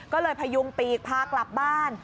ก็เลยพยุงปีกพากลับบ้าน